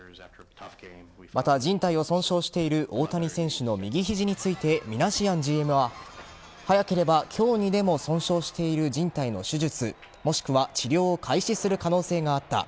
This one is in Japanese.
また、靭帯を損傷している大谷選手の右肘についてミナシアンＧＭは早ければ今日にでも損傷している靭帯の手術もしくは治療を開始する可能性があった。